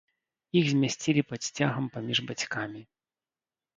Іх змясцілі пад сцягам паміж бацькамі.